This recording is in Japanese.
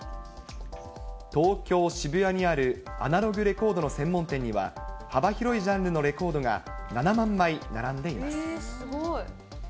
東京・渋谷にあるアナログレコードの専門店には、幅広いジャンルのレコードが７万枚並んでいます。